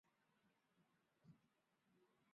作为对赞助商的回报会在节目中被提及。